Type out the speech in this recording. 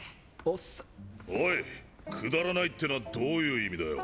おいくだらないってのはどういう意味だよ。